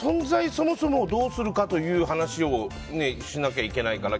そもそもをどうするかという話をしなきゃいけないから。